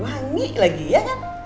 wangi lagi ya